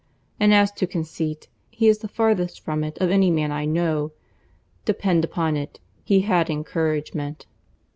And as to conceit, he is the farthest from it of any man I know. Depend upon it he had encouragement."